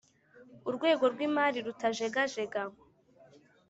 urwego rw imari rutajegajega